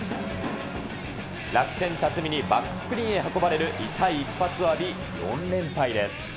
楽天、たつみにバックスクリーンへ運ばれる痛い一発を浴び、４連敗です。